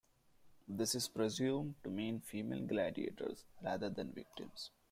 This is presumed to mean female gladiators, rather than victims.